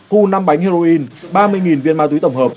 thu năm bánh heroin ba mươi viên ma túy tổng hợp